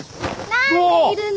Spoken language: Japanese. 何でいるの？